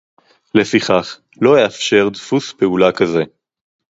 לפיכך לא אאפשר דפוס פעולה כזה